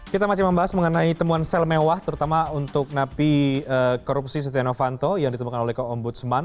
kita masih membahas mengenai temuan sel mewah terutama untuk napi korupsi setia novanto yang ditemukan oleh ombudsman